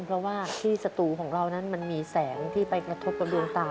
เพราะว่าที่สตูของเรานั้นมันมีแสงที่ไปกระทบกับดวงตา